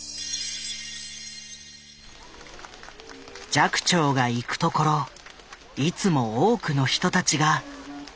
寂聴が行くところいつも多くの人たちが集まった。